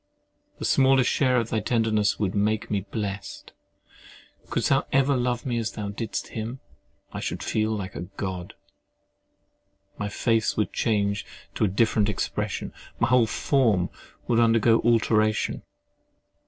The smallest share of thy tenderness would make me blest; but couldst thou ever love me as thou didst him, I should feel like a God! My face would change to a different expression: my whole form would undergo alteration.